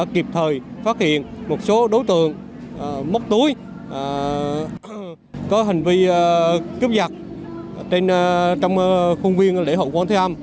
kịp thời phát hiện một số đối tượng móc túi có hành vi cướp giật trong khuôn viên lễ hội quán thêm